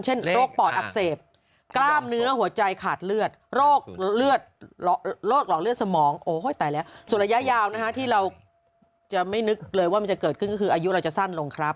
โรคปอดอักเสบกล้ามเนื้อหัวใจขาดเลือดโรคหลอดเลือดสมองโอ้ยตายแล้วส่วนระยะยาวนะฮะที่เราจะไม่นึกเลยว่ามันจะเกิดขึ้นก็คืออายุเราจะสั้นลงครับ